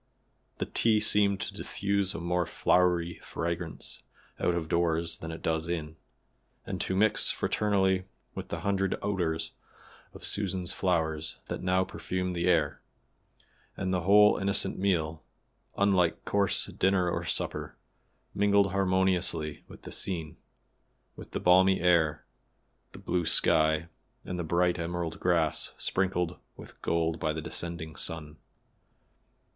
The tea seemed to diffuse a more flowery fragrance out of doors than it does in, and to mix fraternally with the hundred odors of Susan's flowers that now perfumed the air, and the whole innocent meal, unlike coarse dinner or supper, mingled harmoniously with the scene, with the balmy air, the blue sky and the bright emerald grass sprinkled with gold by the descending sun.